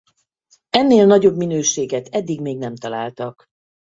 Ennél nagyobb minőséget eddig még nem találtak.